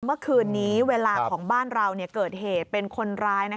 เมื่อคืนนี้เวลาของบ้านเราเกิดเหตุเป็นคนร้าย